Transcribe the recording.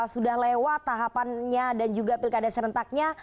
sudah lewat tahapannya dan juga pilkada serentaknya